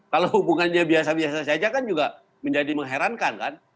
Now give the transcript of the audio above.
kalau hubungannya biasa biasa saja kan juga menjadi mengherankan kan